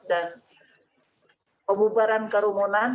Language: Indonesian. dan pembubaran kerumunan